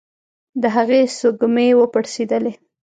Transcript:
د هغې سږمې وپړسېدلې.